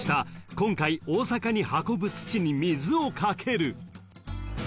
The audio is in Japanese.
今回大阪に運ぶ土に水をかける］